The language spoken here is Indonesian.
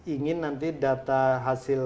ingin nanti data hasil